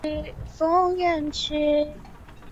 长蝠硬蜱为硬蜱科硬蜱属下的一个种。